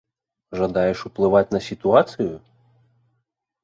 Жадаеш ўплываць на сітуацыю?